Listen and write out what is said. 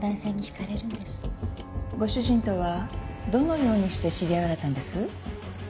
ご主人とはどのようにして知り合われたんです？